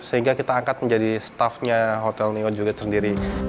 sehingga kita angkat menjadi staffnya hotel neo juga sendiri